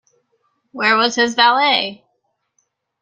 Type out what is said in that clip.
Where was his valet?